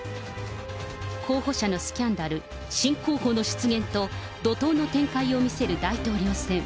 候補者のスキャンダル、新候補の出現と、怒とうの展開を見せる大統領選。